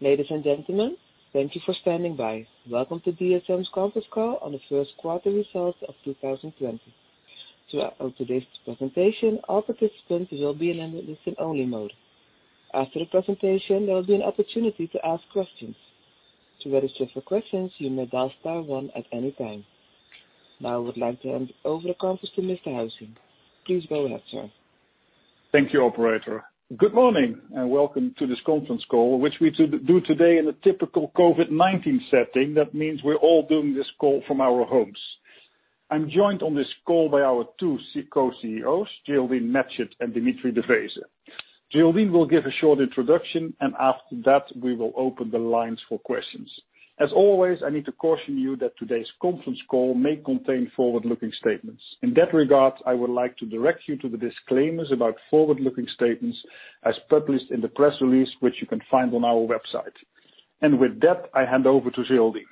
Ladies and gentlemen, thank you for standing by. Welcome to DSM's conference call on the first quarter results of 2020. Throughout today's presentation, all participants will be in listen-only mode. After the presentation, there'll be an opportunity to ask questions. To register for questions, you may dial star one at any time. Now I would like to hand over the conference to Mr. Huizing. Please go ahead, sir. Thank you, operator. Good morning and welcome to this conference call, which we do today in a typical COVID-19 setting. That means we're all doing this call from our homes. I'm joined on this call by our two Co-CEOs, Geraldine Matchett and Dimitri de Vreeze. Geraldine will give a short introduction, and after that, we will open the lines for questions. As always, I need to caution you that today's conference call may contain forward-looking statements. In that regard, I would like to direct you to the disclaimers about forward-looking statements as published in the press release, which you can find on our website. With that, I hand over to Geraldine.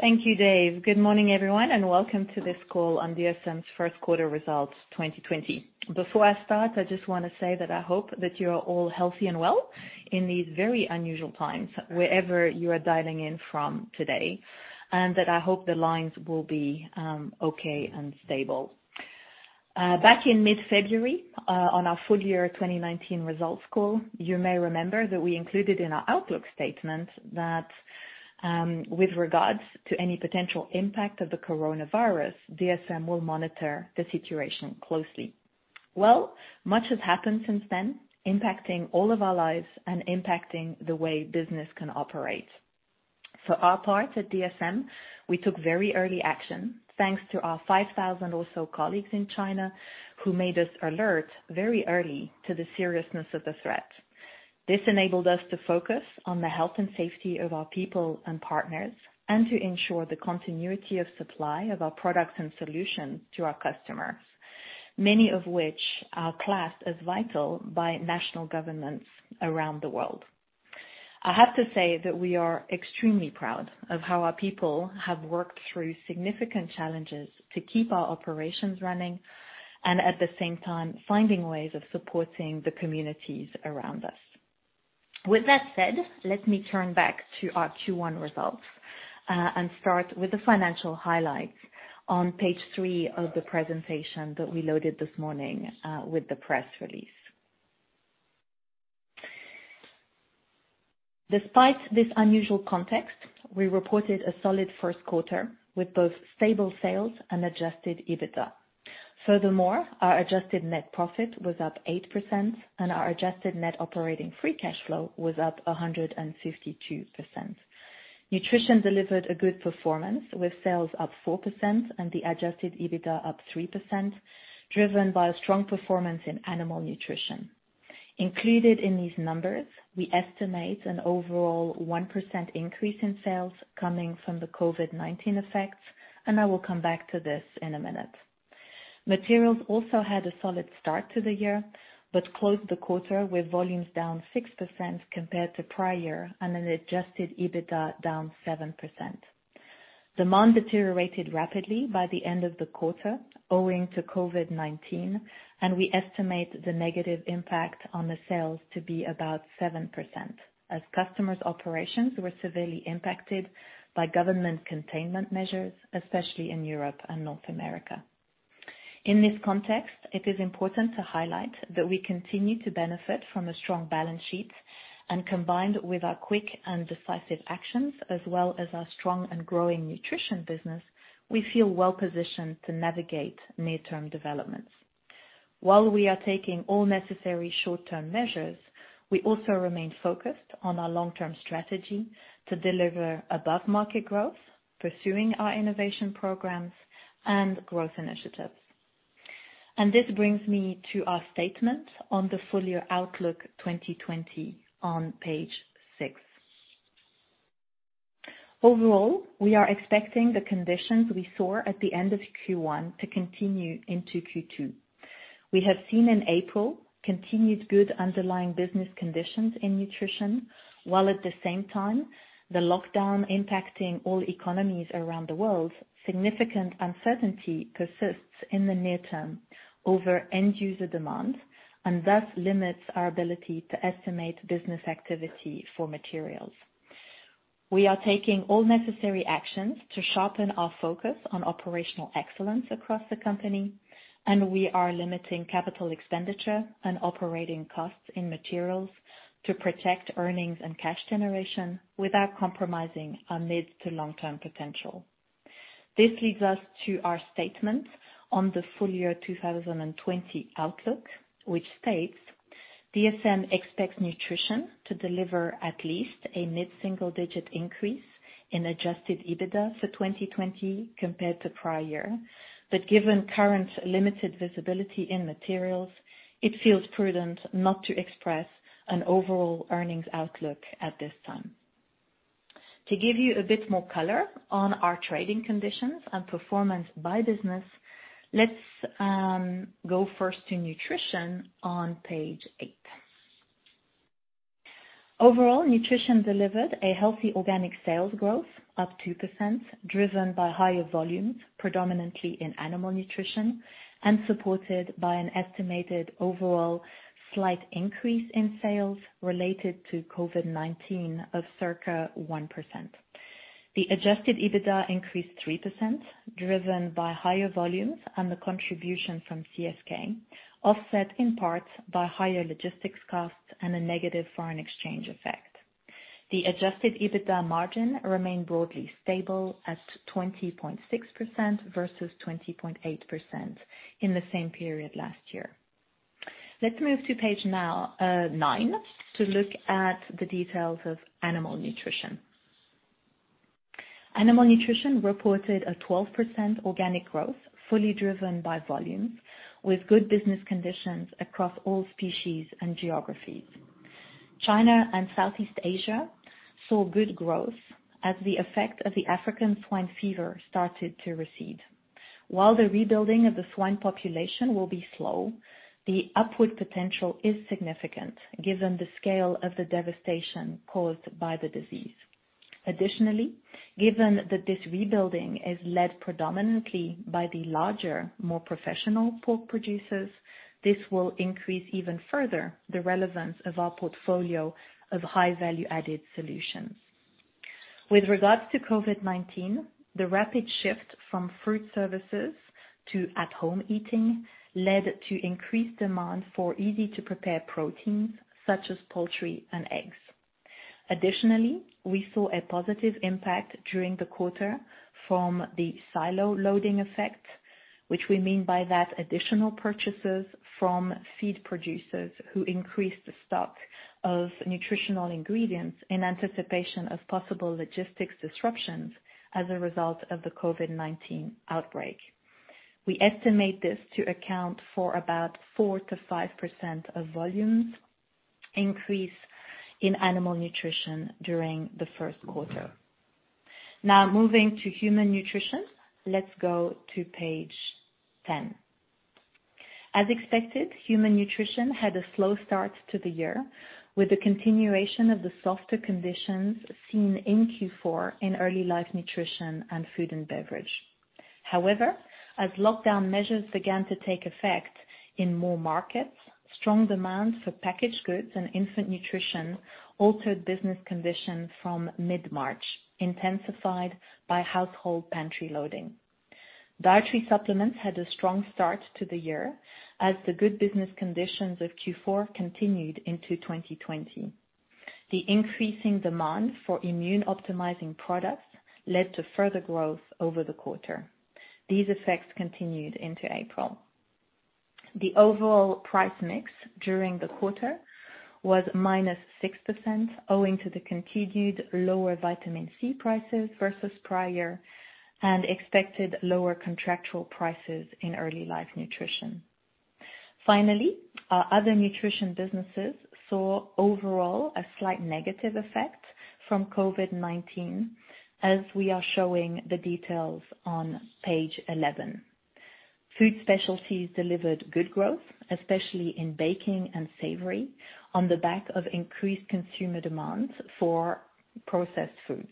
Thank you, Dave. Good morning, everyone, and welcome to this call on DSM's first quarter results 2020. Before I start, I just want to say that I hope that you're all healthy and well in these very unusual times, wherever you are dialing in from today, and that I hope the lines will be okay and stable. Back in mid-February, on our full year 2019 results call, you may remember that we included in our outlook statement that with regards to any potential impact of the coronavirus, DSM will monitor the situation closely. Well, much has happened since then, impacting all of our lives and impacting the way business can operate. For our part at DSM, we took very early action thanks to our 5,000 also colleagues in China, who made us alert very early to the seriousness of the threat. This enabled us to focus on the health and safety of our people and partners, and to ensure the continuity of supply of our products and solutions to our customers, many of which are classed as vital by national governments around the world. I have to say that we are extremely proud of how our people have worked through significant challenges to keep our operations running and at the same time, finding ways of supporting the communities around us. With that said, let me turn back to our Q1 results, and start with the financial highlights on page three of the presentation that we loaded this morning with the press release. Despite this unusual context, we reported a solid first quarter with both stable sales and adjusted EBITDA. Furthermore, our adjusted net profit was up 8% and our adjusted net operating free cash flow was up 152%. Nutrition delivered a good performance with sales up 4% and the adjusted EBITDA up 3%, driven by a strong performance in Animal Nutrition. Included in these numbers, we estimate an overall 1% increase in sales coming from the COVID-19 effects, and I will come back to this in a minute. Materials also had a solid start to the year, but closed the quarter with volumes down 6% compared to prior, and an adjusted EBITDA down 7%. Demand deteriorated rapidly by the end of the quarter owing to COVID-19, and we estimate the negative impact on the sales to be about 7% as customers' operations were severely impacted by government containment measures, especially in Europe and North America. In this context, it is important to highlight that we continue to benefit from a strong balance sheet, and combined with our quick and decisive actions, as well as our strong and growing nutrition business, we feel well-positioned to navigate mid-term developments. While we are taking all necessary short-term measures, we also remain focused on our long-term strategy to deliver above-market growth, pursuing our innovation programs and growth initiatives. This brings me to our statement on the full-year outlook 2020 on page six. Overall, we are expecting the conditions we saw at the end of Q1 to continue into Q2. We have seen in April continued good underlying business conditions in nutrition, while at the same time the lockdown impacting all economies around the world, significant uncertainty persists in the near term over end-user demand, and thus limits our ability to estimate business activity for materials. We are taking all necessary actions to sharpen our focus on operational excellence across the company, and we are limiting capital expenditure and operating costs in materials to protect earnings and cash generation without compromising our mid to long-term potential. This leads us to our statement on the full-year 2020 outlook, which states DSM expects nutrition to deliver at least a mid-single-digit increase in adjusted EBITDA for 2020 compared to prior year. Given current limited visibility in materials, it feels prudent not to express an overall earnings outlook at this time. To give you a bit more color on our trading conditions and performance by business, let's go first to nutrition on page eight. Overall, nutrition delivered a healthy organic sales growth up 2%, driven by higher volumes, predominantly in Animal Nutrition, and supported by an estimated overall slight increase in sales related to COVID-19 of circa 1%. The adjusted EBITDA increased 3%, driven by higher volumes and the contribution from CSK, offset in part by higher logistics costs and a negative foreign exchange effect. The adjusted EBITDA margin remained broadly stable at 20.6% versus 20.8% in the same period last year. Let's move to page nine, to look at the details of Animal Nutrition. Animal Nutrition reported a 12% organic growth, fully driven by volumes, with good business conditions across all species and geographies. China and Southeast Asia saw good growth as the effect of the African swine fever started to recede. While the rebuilding of the swine population will be slow, the upward potential is significant given the scale of the devastation caused by the disease. Given that this rebuilding is led predominantly by the larger, more professional pork producers, this will increase even further the relevance of our portfolio of high value-added solutions. With regards to COVID-19, the rapid shift from food services to at-home eating led to increased demand for easy-to-prepare proteins such as poultry and eggs. We saw a positive impact during the quarter from the silo loading effect, which we mean by that additional purchases from feed producers who increased stock of nutritional ingredients in anticipation of possible logistics disruptions as a result of the COVID-19 outbreak. We estimate this to account for about 4%-5% of volumes increase in Animal Nutrition during the first quarter. Moving to Human Nutrition. Let's go to page 10. As expected, human nutrition had a slow start to the year, with the continuation of the softer conditions seen in Q4 in early life nutrition and Food & Beverage. As lockdown measures began to take effect in more markets, strong demand for packaged goods and infant nutrition altered business conditions from mid-March, intensified by household pantry loading. Dietary supplements had a strong start to the year as the good business conditions of Q4 continued into 2020. The increasing demand for immune optimizing products led to further growth over the quarter. These effects continued into April. The overall price mix during the quarter was -6%, owing to the continued lower vitamin C prices versus prior, and expected lower contractual prices in early life nutrition. Finally, our other nutrition businesses saw overall a slight negative effect from COVID-19, as we are showing the details on page 11. Food Specialties delivered good growth, especially in baking and savory, on the back of increased consumer demand for processed foods.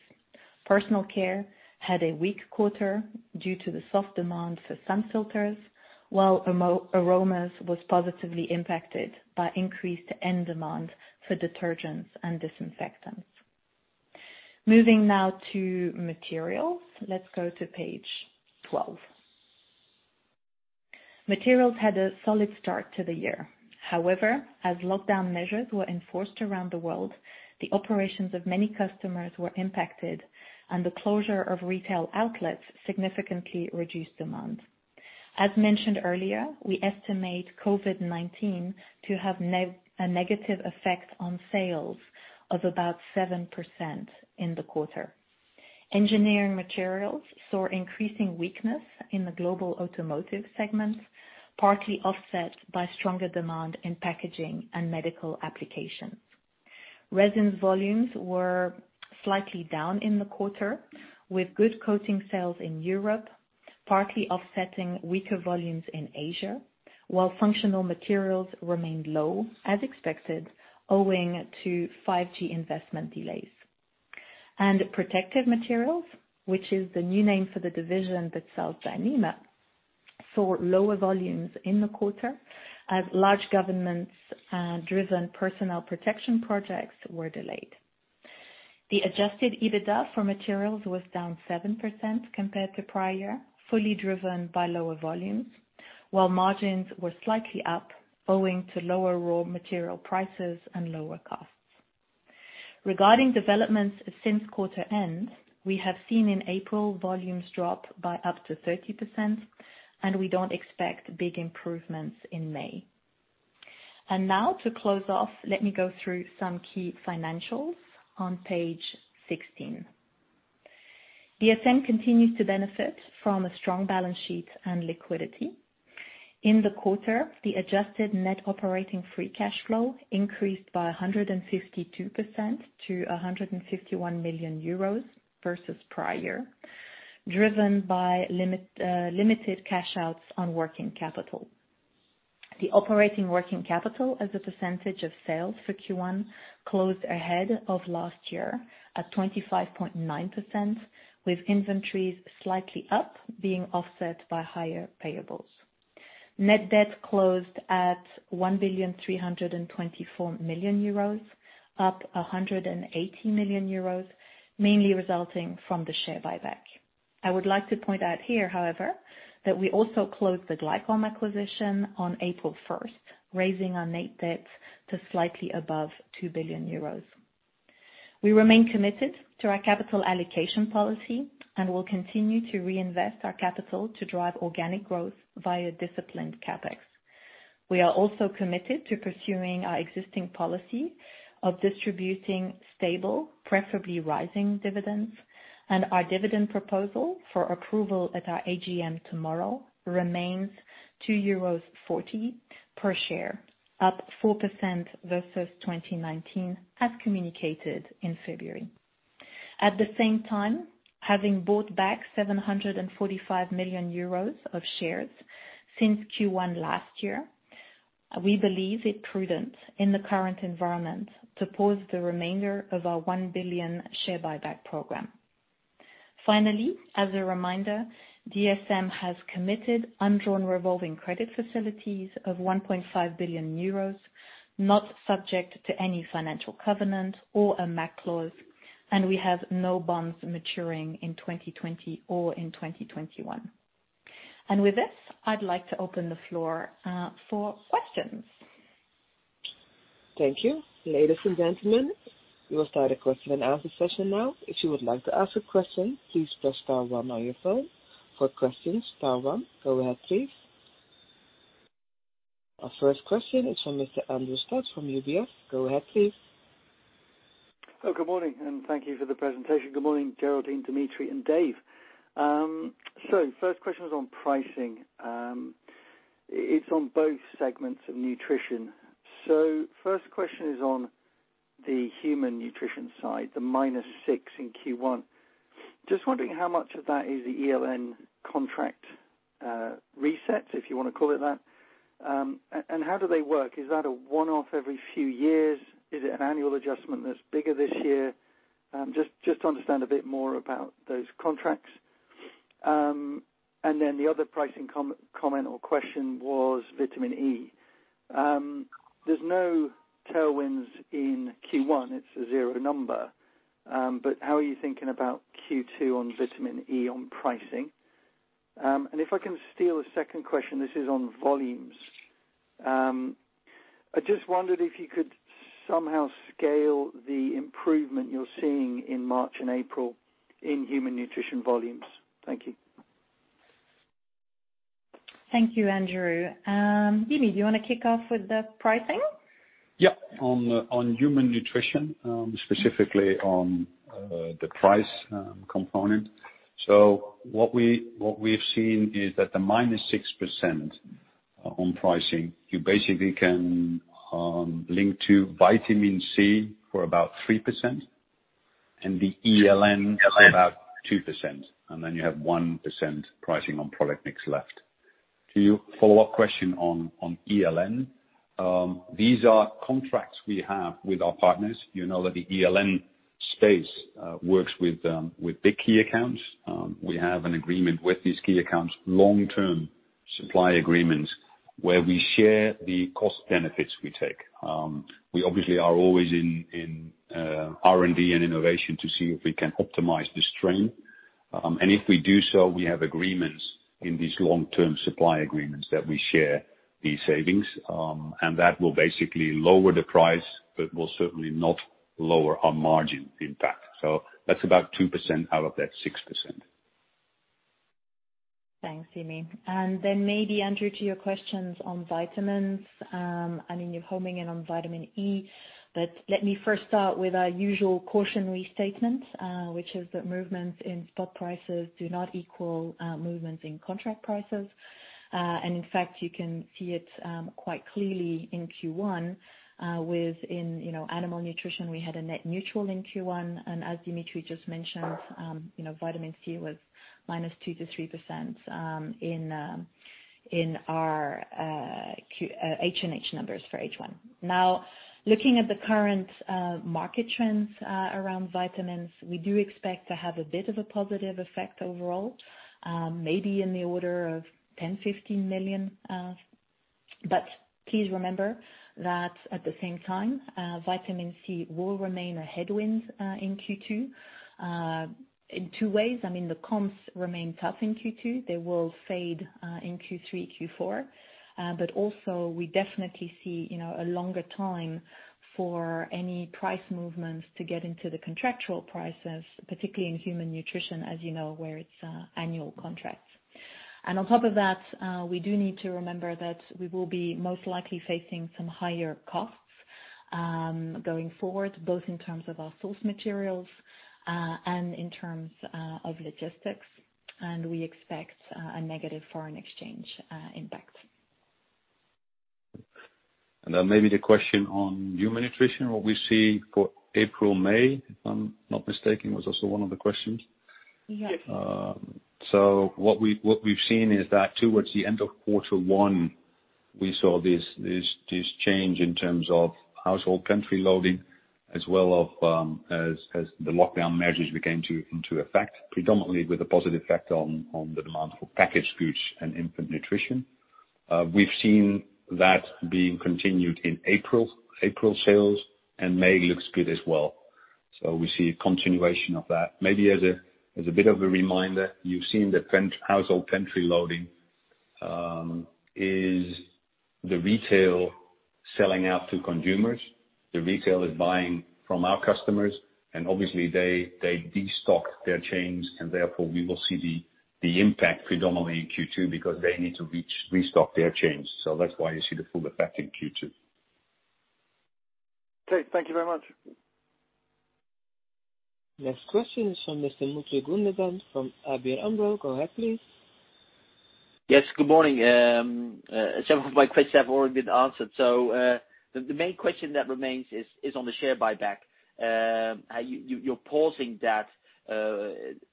Personal Care had a weak quarter due to the soft demand for sun filters, while aromas was positively impacted by increased end demand for detergents and disinfectants. Moving now to Materials. Let's go to page 12. Materials had a solid start to the year. However, as lockdown measures were enforced around the world, the operations of many customers were impacted and the closure of retail outlets significantly reduced demand. As mentioned earlier, we estimate COVID-19 to have a negative effect on sales of about 7% in the quarter. Engineering Materials saw increasing weakness in the global automotive segment, partly offset by stronger demand in packaging and medical applications. Resins volumes were slightly down in the quarter, with good coating sales in Europe partly offsetting weaker volumes in Asia, while functional materials remained low as expected, owing to 5G investment delays. Protective Materials, which is the new name for the division that sells Dyneema, saw lower volumes in the quarter as large government-driven personnel protection projects were delayed. The adjusted EBITDA for materials was down 7% compared to prior, fully driven by lower volumes, while margins were slightly up owing to lower raw material prices and lower costs. Regarding developments since quarter end, we have seen in April volumes drop by up to 30%, and we don't expect big improvements in May. Now to close off, let me go through some key financials on page 16. DSM continues to benefit from a strong balance sheet and liquidity. In the quarter, the adjusted net operating free cash flow increased by 152% to 151 million euros versus prior, driven by limited cash outs on working capital. The operating working capital as a percentage of sales for Q1 closed ahead of last year at 25.9%, with inventories slightly up being offset by higher payables. Net debt closed at 1.324 billion, up 180 million euros, mainly resulting from the share buyback. I would like to point out here, however, that we also closed the Glycom acquisition on April 1st, raising our net debt to slightly above 2 billion euros. We remain committed to our capital allocation policy, and will continue to reinvest our capital to drive organic growth via disciplined CapEx. We are also committed to pursuing our existing policy of distributing stable, preferably rising dividends, our dividend proposal for approval at our AGM tomorrow remains 2.40 euros per share, up 4% versus 2019, as communicated in February. At the same time, having bought back 745 million euros of shares since Q1 last year, we believe it prudent in the current environment to pause the remainder of our 1 billion share buyback program. Finally, as a reminder, DSM has committed undrawn revolving credit facilities of 1.5 billion euros, not subject to any financial covenant or a MAC clause, we have no bonds maturing in 2020 or in 2021. With this, I'd like to open the floor for questions. Our first question is from Mr. Andrew Stott from UBS. Go ahead, please. Good morning. Thank you for the presentation. Good morning, Geraldine, Dimitri, and Dave. First question is on pricing. It's on both segments of nutrition. First question is on the human nutrition side, the -6 in Q1. Just wondering how much of that is the ELN contract resets, if you want to call it that. How do they work? Is that a one-off every few years? Is it an annual adjustment that's bigger this year? Just to understand a bit more about those contracts. The other pricing comment or question was vitamin E. There's no tailwinds in Q1. It's a zero number. How are you thinking about Q2 on vitamin E on pricing? If I can steal a second question, this is on volumes. I just wondered if you could somehow scale the improvement you're seeing in March and April in Human Nutrition volumes. Thank you. Thank you, Andrew. Dimitri, do you want to kick off with the pricing? Yes. On Human Nutrition, specifically on the price component. What we have seen is that the -6% on pricing, you basically can link to vitamin C for about 3% and the ELN for about 2%, and then you have 1% pricing on product mix left. To your follow-up question on ELN, these are contracts we have with our partners. You know that the ELN space works with big key accounts. We have an agreement with these key accounts, long-term supply agreements, where we share the cost benefits we take. We obviously are always in R&D and innovation to see if we can optimize the stream. If we do so, we have agreements in these long-term supply agreements that we share these savings, and that will basically lower the price, but will certainly not lower our margin impact. That's about 2% out of that 6%. Thanks, Dimitri. Maybe, Andrew, to your questions on vitamins. I mean, you're homing in on vitamin E, let me first start with our usual cautionary statement, which is that movements in spot prices do not equal movements in contract prices. In fact, you can see it quite clearly in Q1. Within Animal Nutrition, we had a net neutral in Q1. As Dimitri just mentioned, vitamin C was minus 2%-3% in our HNH numbers for H1. Looking at the current market trends around vitamins, we do expect to have a bit of a positive effect overall, maybe in the order of 10 million-15 million. Please remember that at the same time, vitamin C will remain a headwind in Q2 in two ways. I mean, the comps remain tough in Q2. They will fade in Q3, Q4. Also, we definitely see a longer time for any price movements to get into the contractual prices, particularly in Human Nutrition, as you know, where it's annual contracts. On top of that, we do need to remember that we will be most likely facing some higher costs going forward, both in terms of our source materials and in terms of logistics, and we expect a negative foreign exchange impact. Maybe the question on Human Nutrition, what we see for April, May, if I'm not mistaken, was also one of the questions? Yes. What we've seen is that towards the end of quarter one. We saw this change in terms of household pantry loading as well as the lockdown measures came into effect, predominantly with a positive effect on the demand for packaged goods and infant nutrition. We've seen that being continued in April sales, and May looks good as well. We see a continuation of that. Maybe as a bit of a reminder, you've seen the household pantry loading is the retail selling out to consumers. The retail is buying from our customers, and obviously they de-stock their chains and therefore we will see the impact predominantly in Q2 because they need to restock their chains. That's why you see the full effect in Q2. Okay. Thank you very much. Next question is from Mr. Mutlu Gundogan from ABN AMRO. Go ahead, please. Yes, good morning. Several of my questions have already been answered. The main question that remains is on the share buyback. You're pausing that.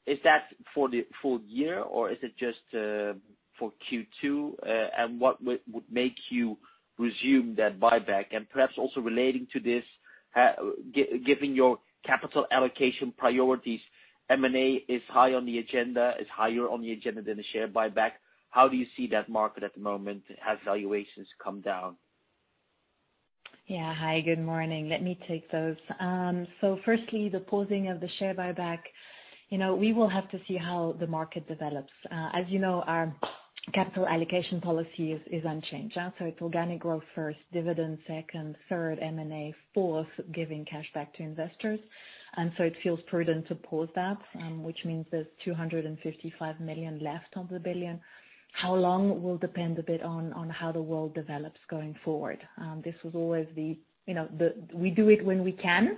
Is that for the full year, or is it just for Q2? What would make you resume that buyback? Perhaps also relating to this, giving your capital allocation priorities, M&A is high on the agenda, is higher on the agenda than the share buyback. How do you see that market at the moment? Have valuations come down? Yeah. Hi, good morning. Let me take those. Firstly, the pausing of the share buyback. We will have to see how the market develops. As you know, our capital allocation policy is unchanged. It's organic growth first, dividend second, third M&A, fourth, giving cash back to investors. It feels prudent to pause that, which means there's 255 million left of the 1 billion. How long will depend a bit on how the world develops going forward. We do it when we can,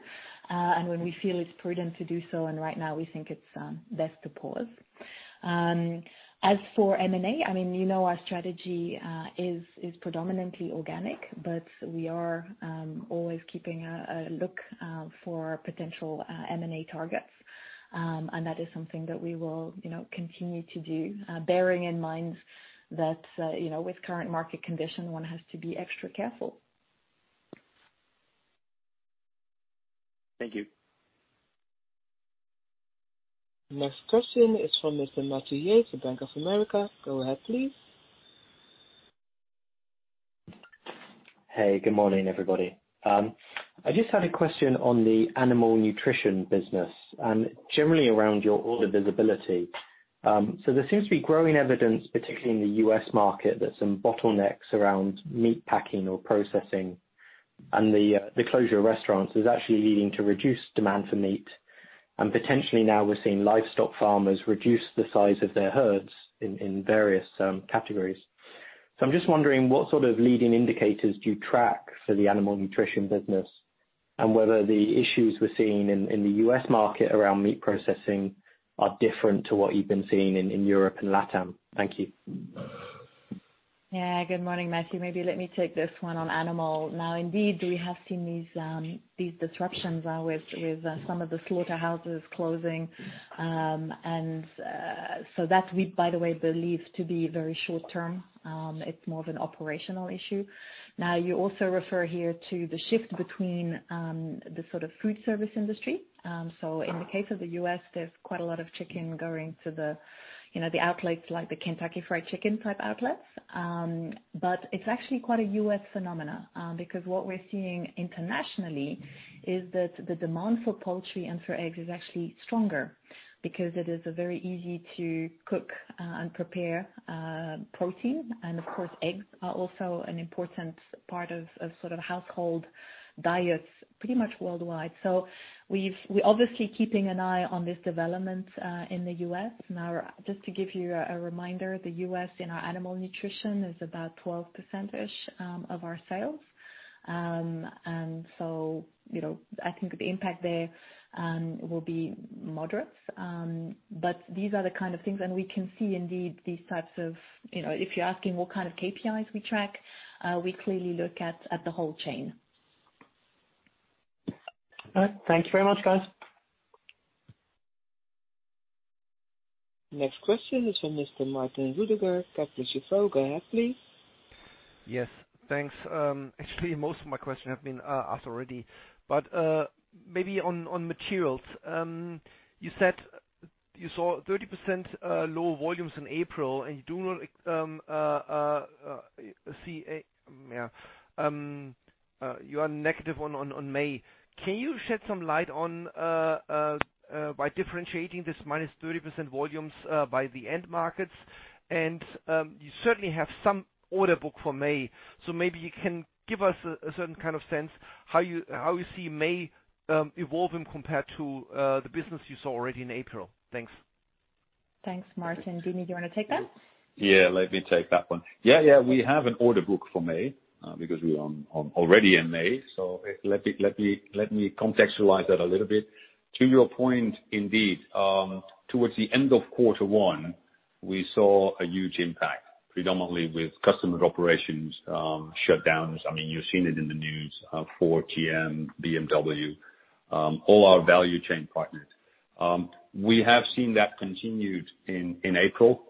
and when we feel it's prudent to do so, and right now we think it's best to pause. As for M&A, our strategy is predominantly organic, but we are always keeping a look for potential M&A targets. That is something that we will continue to do, bearing in mind that with current market condition, one has to be extra careful. Thank you. Next question is from Mr. Matthew Yates of Bank of America. Go ahead, please. Hey, good morning, everybody. I just had a question on the Animal Nutrition business, and generally around your order visibility. There seems to be growing evidence, particularly in the U.S. market, that some bottlenecks around meat packing or processing and the closure of restaurants is actually leading to reduced demand for meat. Potentially now we're seeing livestock farmers reduce the size of their herds in various categories. I'm just wondering what sort of leading indicators do you track for the Animal Nutrition business, and whether the issues we're seeing in the U.S. market around meat processing are different to what you've been seeing in Europe and LATAM. Thank you. Yeah. Good morning, Matthew. Maybe let me take this one on animal. Now, indeed, we have seen these disruptions with some of the slaughterhouses closing. That we, by the way, believe to be very short term. It's more of an operational issue. Now, you also refer here to the shift between the sort of food service industry. In the case of the U.S., there's quite a lot of chicken going to the outlets like the Kentucky Fried Chicken type outlets. It's actually quite a U.S. phenomena. Because what we're seeing internationally is that the demand for poultry and for eggs is actually stronger because it is a very easy to cook and prepare protein. Of course, eggs are also an important part of sort of household diets pretty much worldwide. We're obviously keeping an eye on this development in the U.S. Just to give you a reminder, the U.S. in our Animal Nutrition is about 12%-ish of our sales. I think the impact there will be moderate. These are the kind of things, if you're asking what kind of KPIs we track, we clearly look at the whole chain. All right. Thank you very much, guys. Next question is from Mr. Martin Rudiger, Jefferies. Go ahead, please. Yes. Thanks. Actually, most of my questions have been asked already. Maybe on materials. You said you saw 30% low volumes in April, and you are negative on May. Can you shed some light on by differentiating this minus 30% volumes by the end markets? You certainly have some order book for May. Maybe you can give us a certain kind of sense how you see May evolving compared to the business you saw already in April. Thanks. Thanks, Martin. Dimitri, do you want to take that? Yeah. Let me take that one. Yeah, we have an order book for May because we are already in May. Let me contextualize that a little bit. To your point, indeed, towards the end of quarter one, we saw a huge impact, predominantly with customer operations shutdowns. You've seen it in the news, Ford, GM, BMW, all our value chain partners. We have seen that continued in April,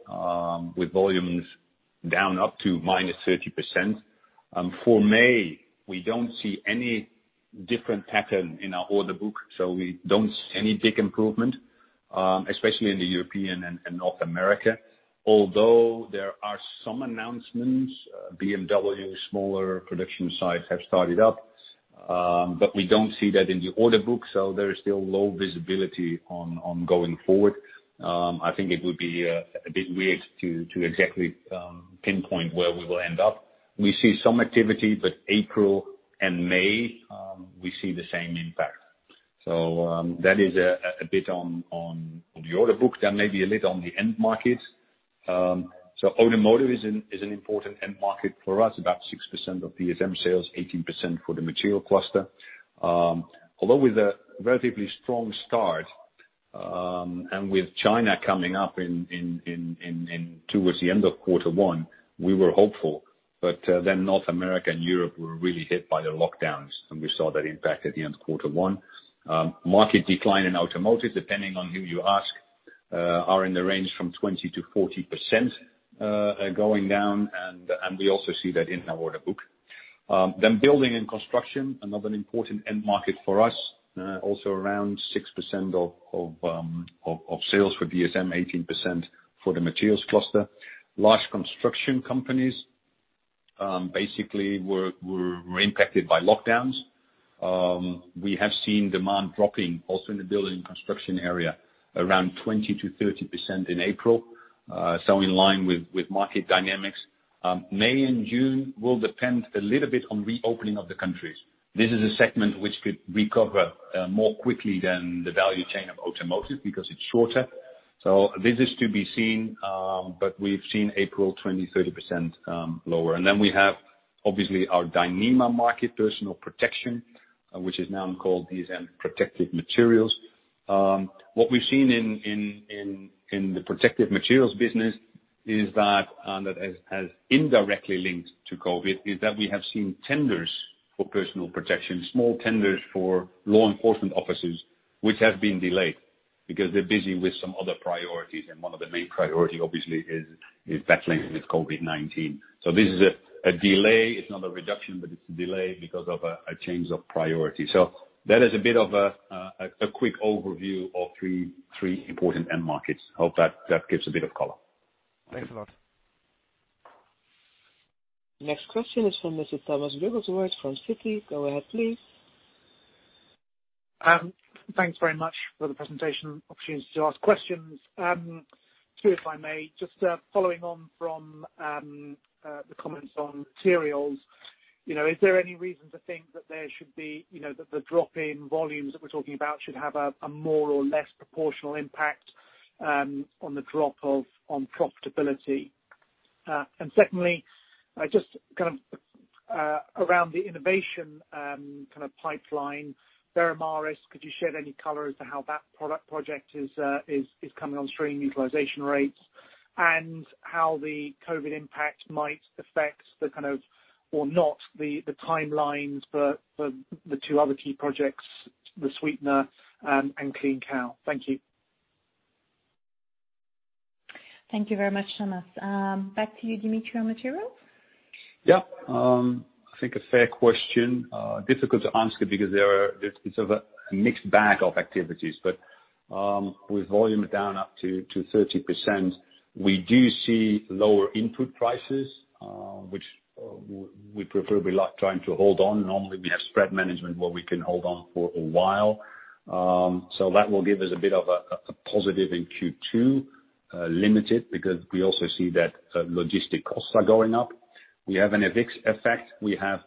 with volumes down up to minus 30%. For May, we don't see any different pattern in our order book, so we don't see any big improvement, especially in the European and North America. Although there are some announcements. BMW smaller production sites have started up, but we don't see that in the order book, so there is still low visibility on going forward. I think it would be a bit weird to exactly pinpoint where we will end up. We see some activity, April and May, we see the same impact. That is a bit on the order book. Maybe a little on the end market. Automotive is an important end market for us, about 6% of DSM sales, 18% for the material cluster. Although with a relatively strong start, and with China coming up in towards the end of quarter one, we were hopeful. North America and Europe were really hit by the lockdowns, and we saw that impact at the end of quarter one. Market decline in automotive, depending on who you ask, are in the range from 20%-40% going down, and we also see that in our order book. Building and construction, another important end market for us, also around 6% of sales for DSM, 18% for the materials cluster. Large construction companies basically were impacted by lockdowns. We have seen demand dropping also in the building construction area around 20%-30% in April. In line with market dynamics. May and June will depend a little bit on reopening of the countries. This is a segment which could recover more quickly than the value chain of automotive because it's shorter. This is to be seen, but we've seen April 20%, 30% lower. Then we have, obviously, our Dyneema market, personal protection, which is now called DSM Protective Materials. What we've seen in the Protective Materials business is that, and that has indirectly linked to COVID, is that we have seen tenders for personal protection, small tenders for law enforcement officers, which have been delayed because they're busy with some other priorities, and one of the main priority obviously is battling with COVID-19. This is a delay. It is not a reduction, but it is a delay because of a change of priority. That is a bit of a quick overview of three important end markets. Hope that gives a bit of color. Thanks a lot. Next question is from Mr. Thomas Wrigglesworth from Citi. Go ahead, please. Thanks very much for the presentation, opportunity to ask questions. two, if I may. Following on from the comments on materials. Is there any reason to think that the drop in volumes that we're talking about should have a more or less proportional impact on profitability? Secondly, around the innovation pipeline, Veramaris, could you shed any color as to how that project is coming on stream, utilization rates, and how the COVID impact might affect the kind of, or not, the timelines for the two other key projects, the sweetener and Clean Cow? Thank you. Thank you very much, Thomas. Back to you, Dimitri, on materials. Yeah. I think a fair question. Difficult to answer because it's of a mixed bag of activities, but with volume down up to 30%, we do see lower input prices, which we preferably like trying to hold on. Normally we have spread management where we can hold on for a while. That will give us a bit of a positive in Q2. Limited, because we also see that logistic costs are going up. We have an effect. We have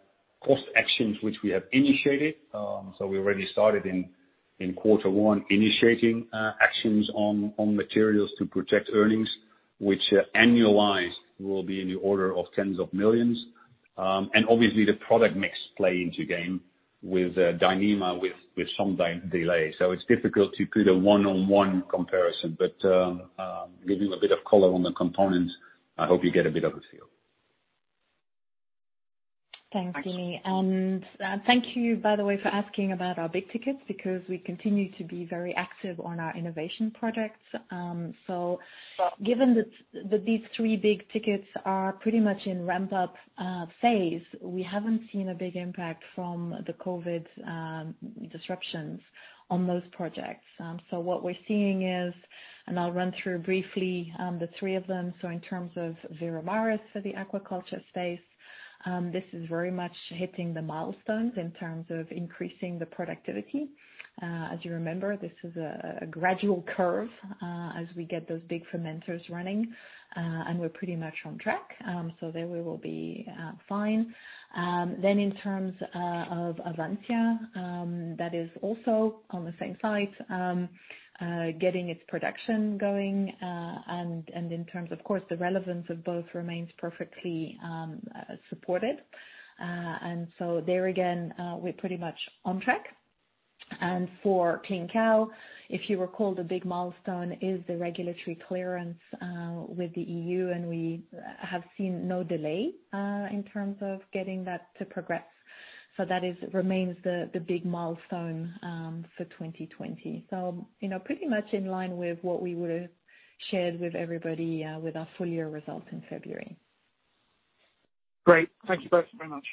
cost actions which we have initiated. We already started in quarter one initiating actions on materials to protect earnings, which annualized will be in the order of tens of millions. Obviously the product mix play into game with Dyneema with some delay. It's difficult to put a one-on-one comparison, but give you a bit of color on the components. I hope you get a bit of a feel. Thanks, Dimitri. Thank you, by the way, for asking about our big tickets, because we continue to be very active on our innovation projects. Given that these three big tickets are pretty much in ramp-up phase, we haven't seen a big impact from the COVID disruptions on those projects. What we're seeing is, and I'll run through briefly, the three of them. In terms of Veramaris for the aquaculture space, this is very much hitting the milestones in terms of increasing the productivity. As you remember, this is a gradual curve as we get those big fermenters running. We're pretty much on track, so there we will be fine. In terms of Avansya, that is also on the same site, getting its production going, and in terms of course, the relevance of both remains perfectly supported. There again, we're pretty much on track. For Clean Cow, if you recall, the big milestone is the regulatory clearance with the EU, and we have seen no delay in terms of getting that to progress. That remains the big milestone for 2020. Pretty much in line with what we would've shared with everybody with our full-year results in February. Great. Thank you both very much.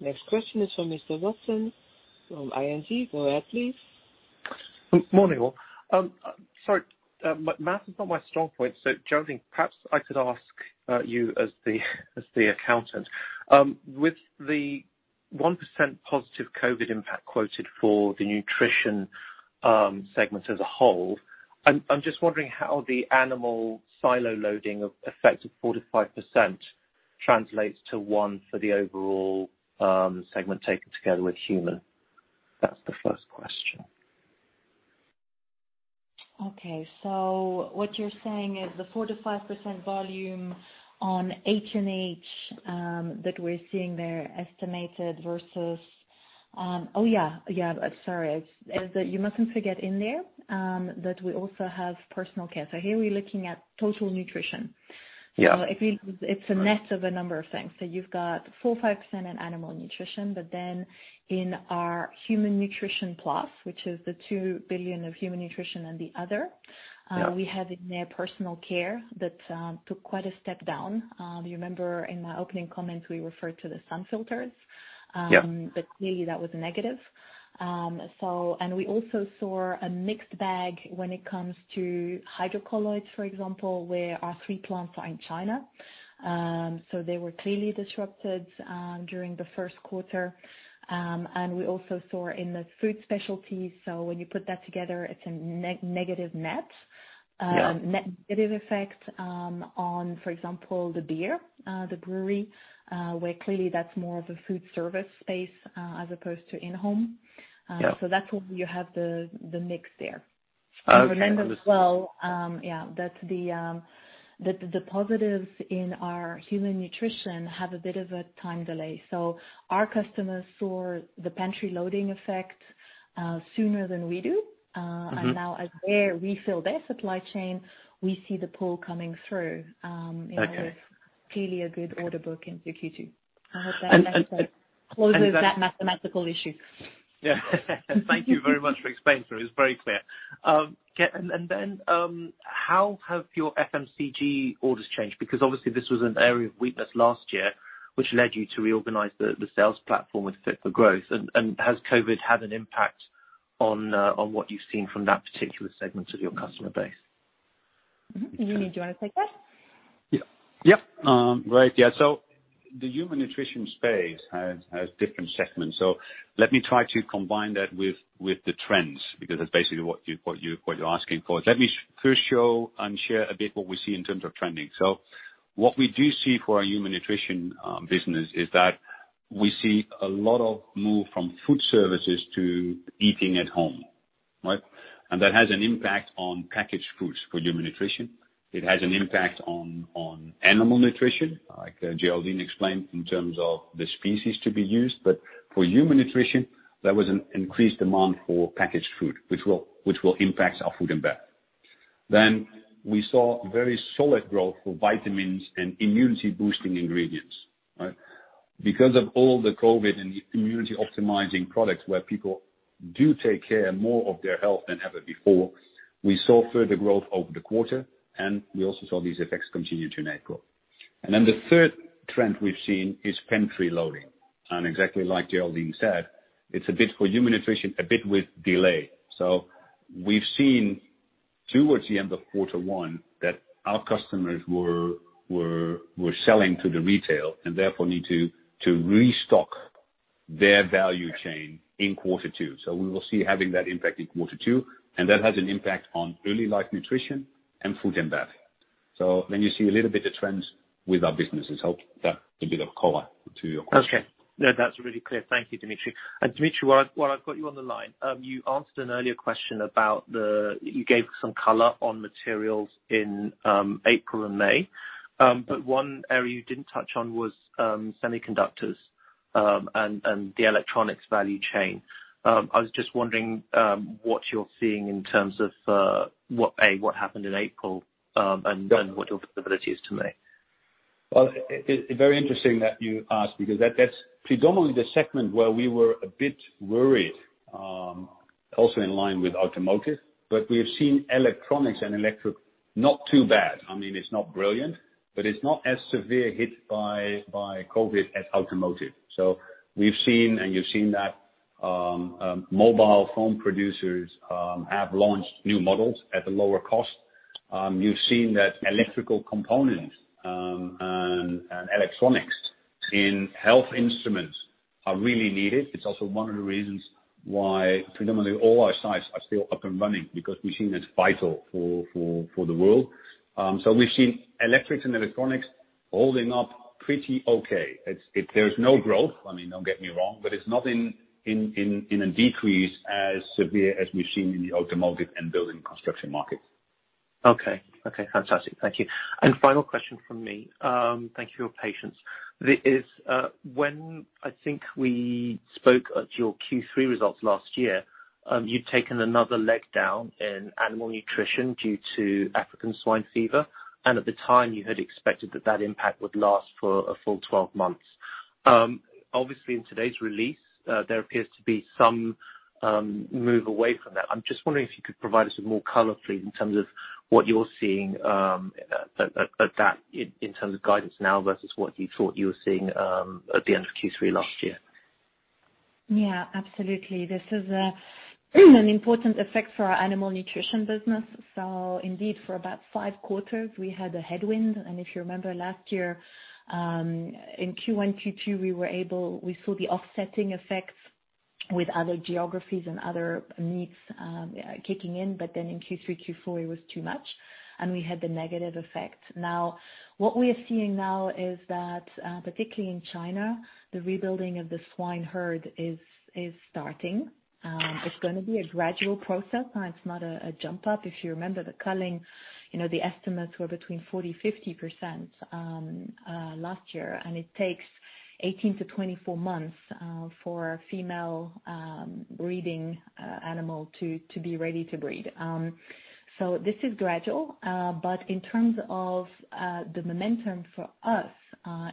Next question is from Mr. Watson from ING. Go ahead, please. Morning, all. Sorry, math is not my strong point, so Geraldine, perhaps I could ask you as the accountant. With the 1% positive COVID impact quoted for the nutrition segment as a whole, I'm just wondering how the animal silo loading effect of 45% translates to one for the overall segment taken together with human. That's the first question. Okay. What you're saying is the 45% volume on H&H that we're seeing there estimated versus Oh, yeah. Sorry. You mustn't forget in there that we also have personal care. Here, we're looking at total nutrition. Yeah. It's a net of a number of things. You've got 4-5% in Animal Nutrition, in our Human Nutrition & Health plus, which is the 2 billion of Human Nutrition & Health. Yeah We have in there personal care that took quite a step down. Do you remember in my opening comments, we referred to the sun filters? Yeah. Clearly that was negative. We also saw a mixed bag when it comes to hydrocolloids, for example, where our three plants are in China. They were clearly disrupted during the first quarter. We also saw in the Food Specialties, when you put that together, it's a negative net. Yeah. Negative effect on, for example, the beer, the brewery, where clearly that's more of a food service space, as opposed to in-home. Yeah. That's why you have the mix there. Okay. Understood. Remember as well, that the positives in our Human Nutrition have a bit of a time delay. Our customers saw the pantry loading effect sooner than we do. Now as they refill their supply chain, we see the pull coming through. Okay. With clearly a good order book into Q2. I hope that closes that mathematical issue. Yeah. Thank you very much for explaining, sir. It's very clear. Okay, how have your FMCG orders changed? Because obviously this was an area of weakness last year, which led you to reorganize the sales platform with Fit for Growth and has COVID had an impact on what you've seen from that particular segment of your customer base? Mm-hmm. Dimitri, do you want to take that? Yeah. Right. Yeah. The human nutrition space has different segments. Let me try to combine that with the trends, because that's basically what you're asking for. Let me first show and share a bit what we see in terms of trending. What we do see for our human nutrition business is that we see a lot of move from food services to eating at home. Right? That has an impact on packaged foods for human nutrition. It has an impact on Animal Nutrition, like Geraldine explained in terms of the species to be used. For human nutrition, there was an increased demand for packaged food, which will impact our Food & Beverage. We saw very solid growth for vitamins and immunity-boosting ingredients. Right? Of all the COVID and immunity optimizing products where people do take care more of their health than ever before, we saw further growth over the quarter and we also saw these effects continue to net grow. The third trend we've seen is pantry loading, and exactly like Geraldine said, it's a bit for human nutrition, a bit with delay. We've seen towards the end of quarter one that our customers were selling to the retail and therefore need to restock their value chain in quarter two. We will see having that impact in quarter two, and that has an impact on early life nutrition and Food & Beverage. You see a little bit of trends with our businesses. Hope that a bit of color to your question. Okay. No, that's really clear. Thank you, Dimitri. Dimitri, while I've got you on the line, you answered an earlier question. You gave some color on materials in April and May. One area you didn't touch on was semiconductors, and the electronics value chain. I was just wondering what you're seeing in terms of, A, what happened in April, and then what your visibility is to May. Well, very interesting that you asked because that's predominantly the segment where we were a bit worried, also in line with automotive, but we have seen electronics and electric not too bad. I mean, it's not brilliant, but it's not as severe hit by COVID as automotive. We've seen and you've seen that mobile phone producers have launched new models at a lower cost. You've seen that electrical components and electronics in health instruments are really needed. It's also one of the reasons why predominantly all our sites are still up and running because we've seen it's vital for the world. We've seen electrics and electronics holding up pretty okay. There's no growth, I mean, don't get me wrong, but it's not in a decrease as severe as we've seen in the automotive and building construction markets. Okay. Fantastic. Thank you. Final question from me, thank you for your patience, is when I think we spoke at your Q3 results last year. You've taken another leg down in Animal Nutrition due to African swine fever, and at the time, you had expected that that impact would last for a full 12 months. Obviously, in today's release, there appears to be some move away from that. I'm just wondering if you could provide us with more color, please, in terms of what you're seeing at that in terms of guidance now versus what you thought you were seeing at the end of Q3 last year. Yeah, absolutely. This is an important effect for our Animal Nutrition business. Indeed, for about five quarters, we had a headwind. If you remember last year, in Q1, Q2, we saw the offsetting effects with other geographies and other needs kicking in. In Q3, Q4, it was too much, and we had the negative effect. What we are seeing now is that, particularly in China, the rebuilding of the swine herd is starting. It's going to be a gradual process. It's not a jump up. If you remember the culling, the estimates were between 40%-50% last year, and it takes 18-24 months for a female breeding animal to be ready to breed. This is gradual, but in terms of the momentum for us,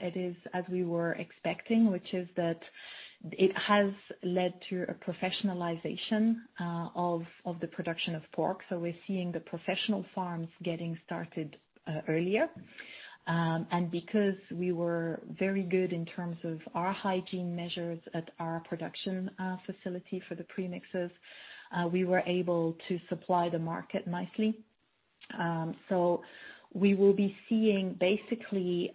it is as we were expecting, which is that it has led to a professionalization of the production of pork. We're seeing the professional farms getting started earlier. Because we were very good in terms of our hygiene measures at our production facility for the premixes, we were able to supply the market nicely. We will be seeing basically,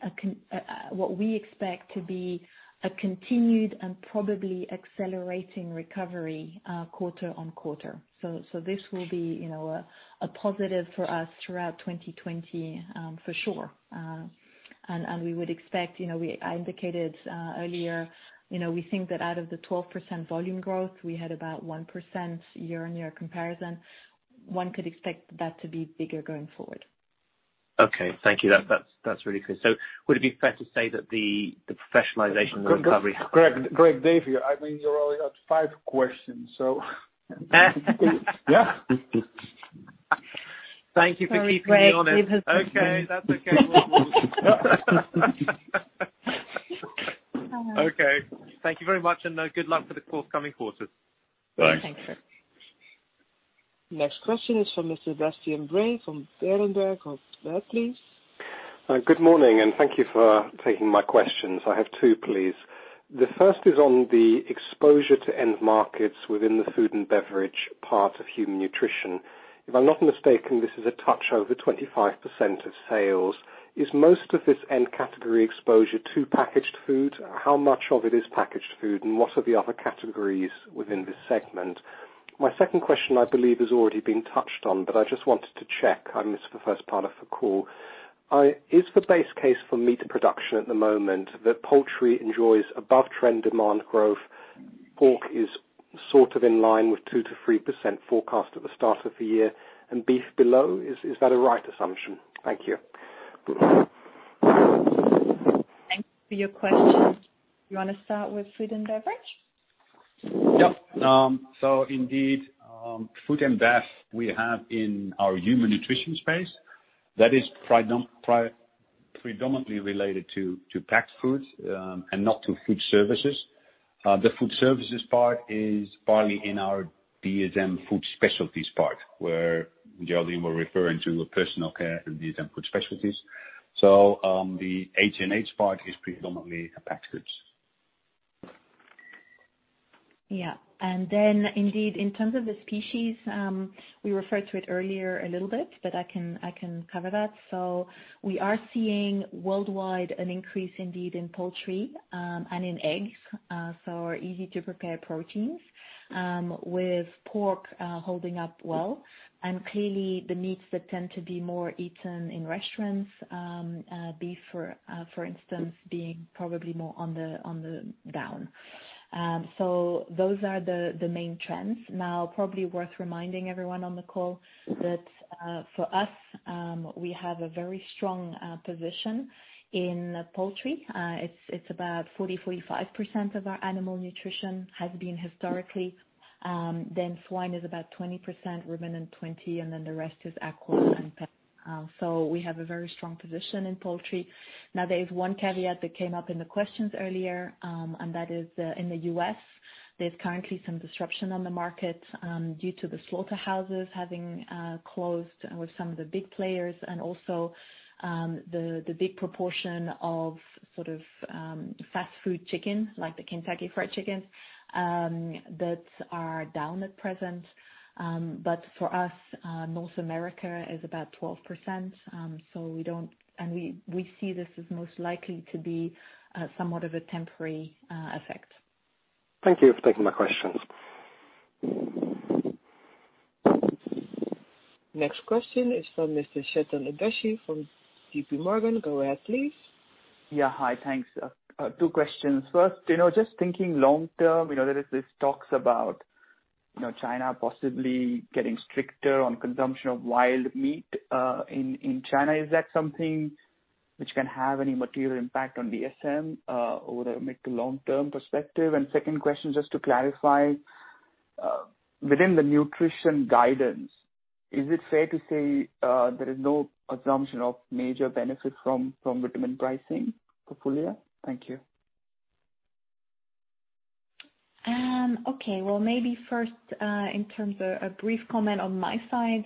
what we expect to be a continued and probably accelerating recovery quarter-on-quarter. This will be a positive for us throughout 2020 for sure. We would expect, I indicated earlier, we think that out of the 12% volume growth, we had about 1% year-on-year comparison. One could expect that to be bigger going forward. Okay. Thank you. That's really clear. Would it be fair to say that the professionalization and the recovery- Greg, Dave here. I think you're only at five questions, so Thank you for keeping me honest. Very great. Okay. That's okay. Okay. Thank you very much, and good luck for the forthcoming quarters. Thanks. Thank you. Next question is from Mr. Sebastian Bray from Berenberg. Go ahead, please. Good morning. Thank you for taking my questions. I have two, please. The first is on the exposure to end markets within the Food & Beverage part of Human Nutrition & Health. If I'm not mistaken, this is a touch over 25% of sales. Is most of this end category exposure to packaged food? How much of it is packaged food, and what are the other categories within this segment? My second question, I believe, has already been touched on, but I just wanted to check. I missed the first part of the call. Is the base case for meat production at the moment that poultry enjoys above-trend demand growth, pork is sort of in line with 2%-3% forecast at the start of the year, and beef below? Is that a right assumption? Thank you. Thanks for your question. You want to start with Food & Beverage? Yep. Indeed, Food & Beverage we have in our Human Nutrition & Health space. That is predominantly related to packed foods and not to food services. The food services part is partly in our DSM Food Specialties part, where Geraldine was referring to personal care and DSM Food Specialties. The HNH part is predominantly packed goods. Yeah. Indeed, in terms of the species, we referred to it earlier a little bit, but I can cover that. We are seeing worldwide an increase indeed in poultry and in eggs, easy-to-prepare proteins, with pork holding up well. Clearly the meats that tend to be more eaten in restaurants, beef, for instance, being probably more on the down. Those are the main trends. Now, probably worth reminding everyone on the call that for us, we have a very strong position in poultry. It's about 40%, 45% of our Animal Nutrition has been historically. Swine is about 20%, ruminant 20%, and then the rest is aqua and pet. We have a very strong position in poultry. There is one caveat that came up in the questions earlier, that is in the U.S., there's currently some disruption on the market due to the slaughterhouses having closed with some of the big players also the big proportion of sort of fast food chicken, like the Kentucky Fried Chicken, that are down at present. For us, North America is about 12%. We see this as most likely to be somewhat of a temporary effect. Thank you for taking my questions. Next question is from Mr. Sheldon Deshi from JPMorgan. Go ahead, please. Yeah. Hi. Thanks. Two questions. First, just thinking long term, there is these talks about China possibly getting stricter on consumption of wild meat in China. Is that something which can have any material impact on DSM over the mid to long-term perspective. Second question, just to clarify, within the nutrition guidance, is it fair to say there is no assumption of major benefit from vitamin pricing portfolio? Thank you. Okay. Well, maybe first, in terms of a brief comment on my side.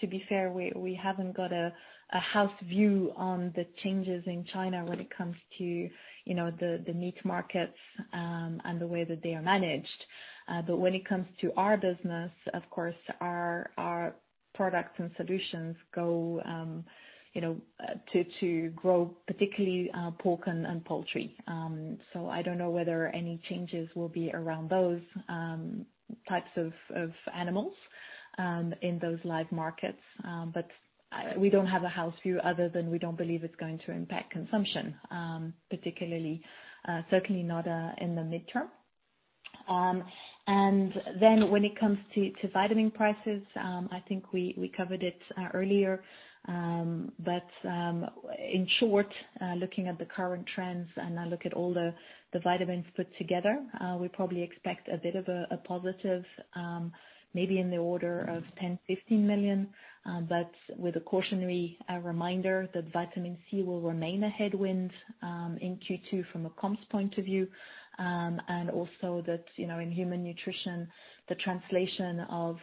To be fair, we haven't got a house view on the changes in China when it comes to the meat markets, and the way that they are managed. When it comes to our business, of course, our products and solutions go to grow, particularly pork and poultry. I don't know whether any changes will be around those types of animals in those live markets. We don't have a house view other than we don't believe it's going to impact consumption, particularly, certainly not in the midterm. When it comes to vitamin prices, I think we covered it earlier. In short, looking at the current trends, and I look at all the vitamins put together, we probably expect a bit of a positive, maybe in the order of 10 million, 15 million. With a cautionary reminder that vitamin C will remain a headwind in Q2 from a comps point of view, and also that in Human Nutrition, the translation of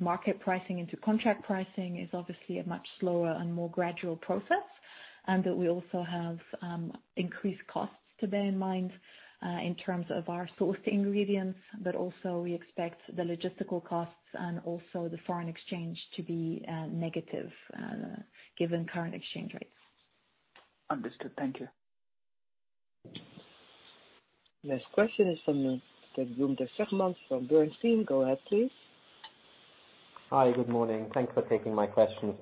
market pricing into contract pricing is obviously a much slower and more gradual process, and that we also have increased costs to bear in mind, in terms of our sourced ingredients. Also, we expect the logistical costs and also the foreign exchange to be negative, given current exchange rates. Understood. Thank you. Next question is from the. From Bernstein. Go ahead. please. Hi. Good morning. Thanks for taking my questions.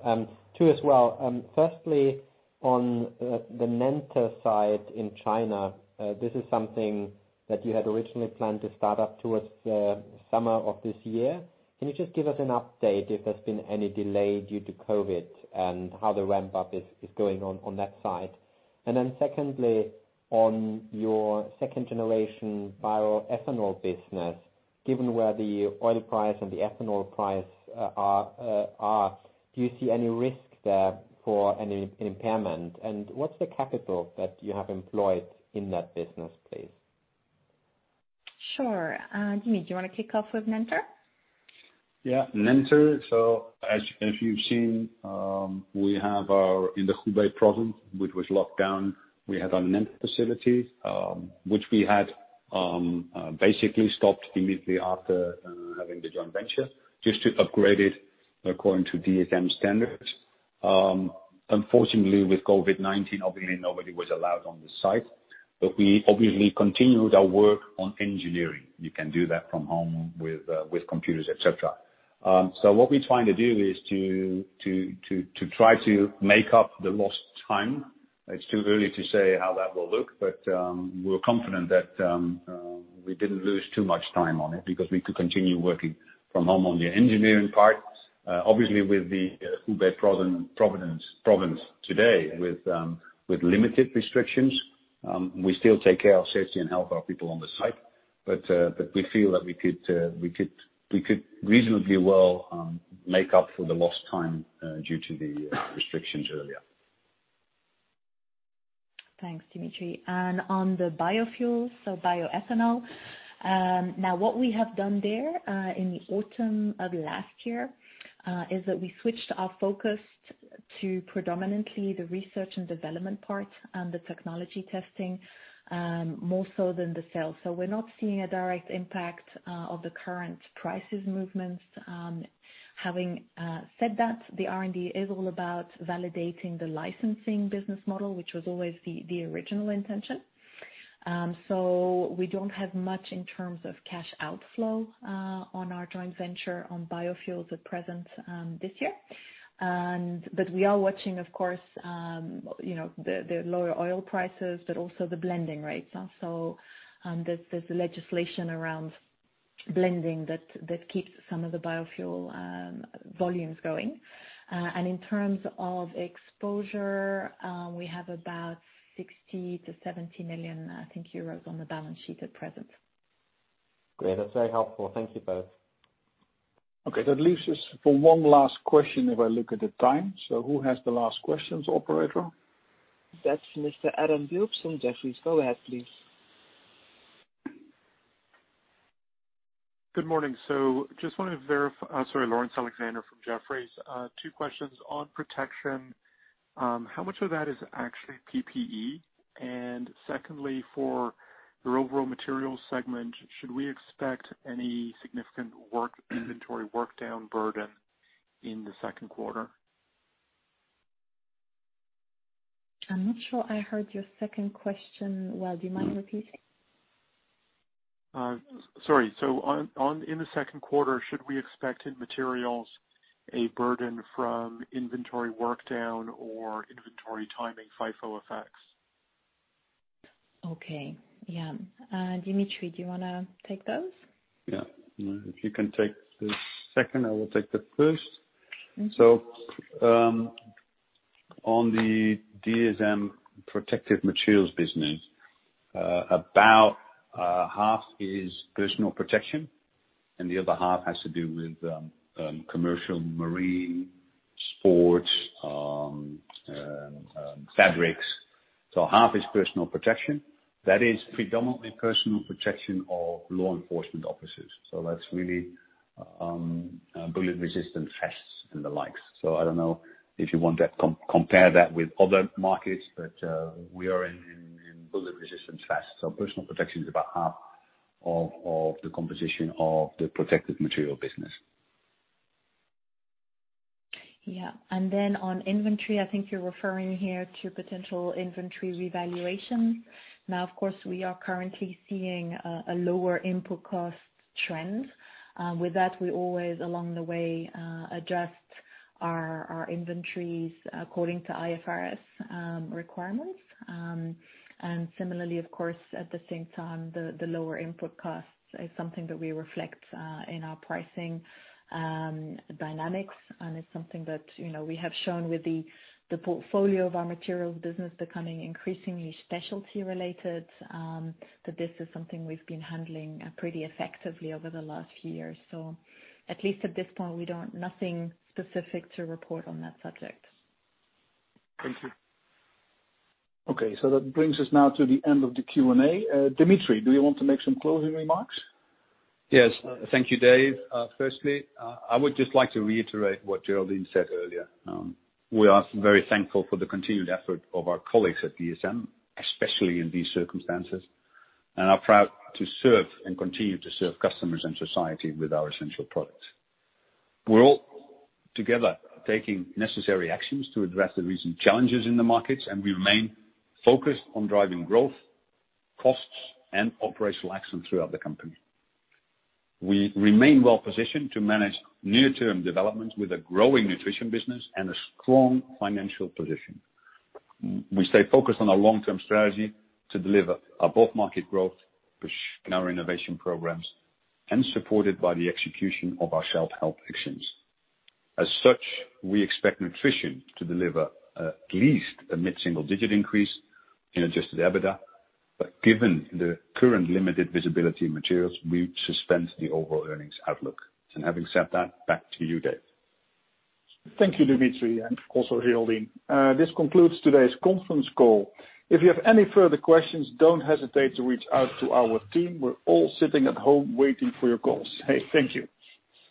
Two as well. Firstly, on the Nenter side in China, this is something that you had originally planned to start up towards the summer of this year. Can you just give us an update if there's been any delay due to COVID and how the ramp-up is going on that side? Secondly, on your second-generation bioethanol business, given where the oil price and the ethanol price are, do you see any risk there for any impairment? What's the capital that you have employed in that business, please? Sure. Dimitri, do you want to kick off with Nenter? Yeah. Nenter, as you've seen, we have our, in the Hubei province, which was locked down, we had our Nenter facility, which we had basically stopped immediately after having the joint venture just to upgrade it according to DSM standards. Unfortunately, with COVID-19, obviously, nobody was allowed on the site. We obviously continued our work on engineering. You can do that from home with computers, et cetera. What we're trying to do is to try to make up the lost time. It's too early to say how that will look, but, we're confident that we didn't lose too much time on it because we could continue working from home on the engineering part. Obviously, with the Hubei province today with limited restrictions, we still take care of safety and health of our people on the site. We feel that we could reasonably well make up for the lost time due to the restrictions earlier. Thanks, Dimitri. On the biofuels, so bioethanol. What we have done there, in the autumn of last year, is that we switched our focus to predominantly the research and development part and the technology testing, more so than the sales. We're not seeing a direct impact of the current prices movements. Having said that, the R&D is all about validating the licensing business model, which was always the original intention. We don't have much in terms of cash outflow on our joint venture on biofuels at present this year. We are watching, of course, the lower oil prices, but also the blending rates. There's legislation around blending that keeps some of the biofuel volumes going. In terms of exposure, we have about 60 million-70 million, I think, on the balance sheet at present. Great. That's very helpful. Thank you both. Okay. That leaves us for one last question if I look at the time. Who has the last questions, operator? That's Mr. Adam Blups from Jefferies. Go ahead, please. Good morning. Sorry, Laurence Alexander from Jefferies. Two questions. On protection, how much of that is actually PPE? Secondly, for your overall materials segment, should we expect any significant inventory work down burden in the second quarter? I'm not sure I heard your second question well. Do you mind repeating? Sorry. In the second quarter, should we expect in materials a burden from inventory work down or inventory timing FIFO effects? Okay. Yeah. Dimitri, do you want to take those? Yeah. If you can take the second, I will take the first. On the DSM Protective Materials business, about half is personal protection, and the other half has to do with commercial marine sports fabrics. Half is personal protection. That is predominantly personal protection of law enforcement officers. That's really bullet-resistant vests and the like. I don't know if you want to compare that with other markets, but we are in bullet-resistant vests. Personal protection is about half of the composition of the protective material business. Yeah. On inventory, I think you're referring here to potential inventory revaluation. Of course, we are currently seeing a lower input cost trend. With that, we always along the way, adjust our inventories according to IFRS requirements. Similarly, of course, at the same time, the lower input costs is something that we reflect in our pricing dynamics. It's something that we have shown with the portfolio of our materials business becoming increasingly specialty related, that this is something we've been handling pretty effectively over the last few years. At least at this point, nothing specific to report on that subject. Thank you. Okay, that brings us now to the end of the Q&A. Dmitri, do you want to make some closing remarks? Yes. Thank you, Dave. Firstly, I would just like to reiterate what Geraldine said earlier. We are very thankful for the continued effort of our colleagues at DSM, especially in these circumstances, and are proud to serve and continue to serve customers and society with our essential products. We're all together taking necessary actions to address the recent challenges in the markets, and we remain focused on driving growth, costs, and operational excellence throughout the company. We remain well-positioned to manage near-term developments with a growing nutrition business and a strong financial position. We stay focused on our long-term strategy to deliver above-market growth, pushing our innovation programs and supported by the execution of our shelf health actions. As such, we expect nutrition to deliver at least a mid-single-digit increase in adjusted EBITDA. Given the current limited visibility in materials, we suspend the overall earnings outlook. Having said that, back to you, Dave. Thank you, Dimitri, and also Geraldine. This concludes today's conference call. If you have any further questions, don't hesitate to reach out to our team. We're all sitting at home waiting for your calls. Hey, thank you.